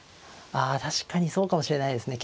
ああ確かにそうかもしれないですね。